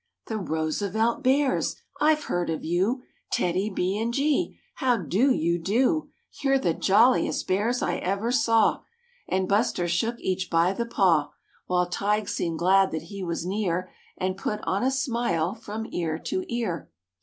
The Roosevelt Bears! I've heard of you; TEDDY B and G! How do you do! You're the jolliest bears I ever saw." And Buster shook each by the paw While Tige seemed glad that he was near And put on a smile from ear to ear.